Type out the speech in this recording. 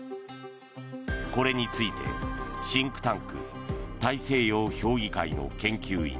これについて、シンクタンク大西洋評議会の研究員